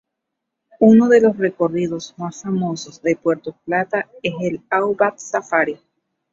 Unos de los recorridos más famosos de Puerto Plata es el Outback Safari.